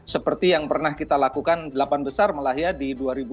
seperti yang pernah kita lakukan delapan besar melahirkan di dua ribu delapan belas